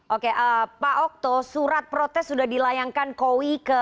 oke pak okto surat protes sudah dilayangkan kowi ke